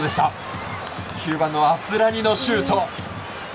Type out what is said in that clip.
９番のアスラニのシュート。